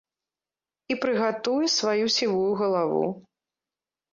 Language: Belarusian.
І прыгатуй сваю сівую галаву.